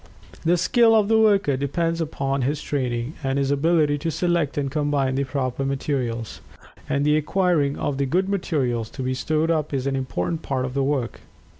The skill of the worker depends upon his training, and his ability to select and combine the proper materials. And the acquiring of good materials to be stored up is an important part of the work.